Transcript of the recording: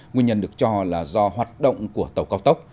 nguyên nhân được cho là do hoạt động của tàu cao tốc